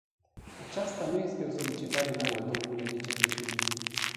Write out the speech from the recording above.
Aceasta nu este o solicitare nouă, dle vicepreședinte.